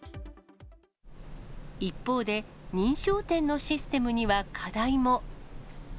一方で、認証店のシステムには課題も。